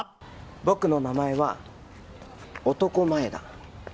僕の名前は男前田。